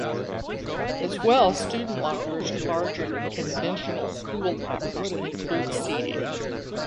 As well, student lockers are larger than conventional school lockers and include seating.